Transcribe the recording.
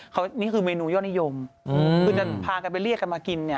เขานี่คือเมนูยอดนิยมคือจะพากันไปเรียกกันมากินเนี่ย